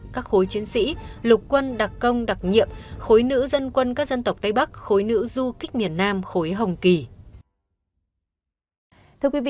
các khối chiến sĩ lục quân đặc công đặc nhiệm khối nữ dân quân các dân tộc tây bắc khối nữ du kích miền nam khối hồng kỳ